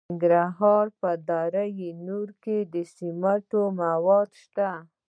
د ننګرهار په دره نور کې د سمنټو مواد شته.